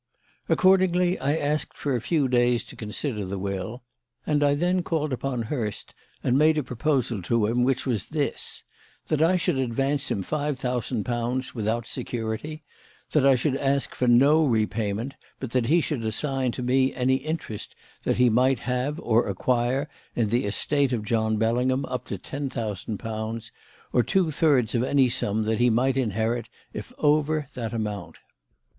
Accordingly, I asked for a few days to consider the will, and I then called upon Hurst and made a proposal to him; which was this: That I should advance him five thousand pounds without security; that I should ask for no repayment, but that he should assign to me any interest that he might have or acquire in the estate of John Bellingham up to ten thousand pounds, or two thirds of any sum that he might inherit if over that amount.